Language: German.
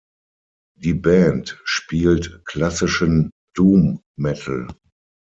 Die Band spielt klassischen Doom Metal.